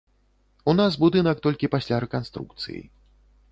У нас будынак толькі пасля рэканструкцыі.